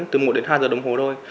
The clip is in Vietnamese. từ một đến hai giờ đồng hồ thôi